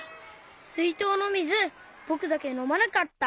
すいとうのみずぼくだけのまなかった。